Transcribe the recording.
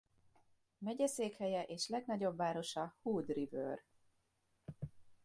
Megyeszékhelye és legnagyobb városa Hood River.